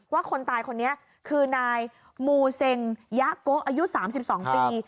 คนตายคนนี้คือนายมูเซ็งยะโกะอายุ๓๒ปี